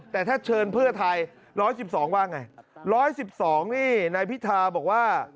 แต่ถ้าเชิญเพื่อไทย๑๑๒ว่าไง๑๑๒นี่นายพิธาบอกว่า